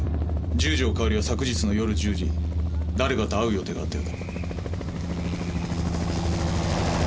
十条かおりは昨日の夜１０時に誰かと会う予定があったようだ。